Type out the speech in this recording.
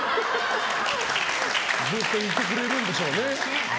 ずっといてくれるんでしょうね。